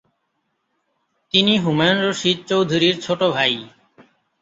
তিনি হুমায়ূন রশীদ চৌধুরীর ছোট ভাই।